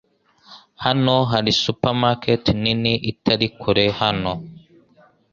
Hano hari supermarket nini itari kure hano.